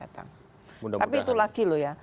tapi itu lagi loh ya